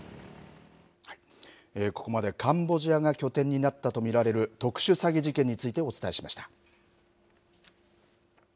ここまでカンボジアが拠点になったと見られる特殊詐欺事件についてお伝えしました。